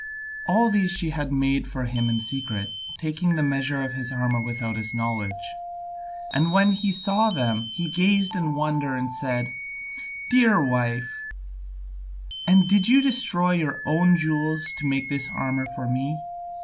All these she had made for him in secret, taking the measure of his armour without his knowledge. And when he saw them, he gazed in wonder and said: "Dear wife, and did you destroy your own jewels to make this armour for me?"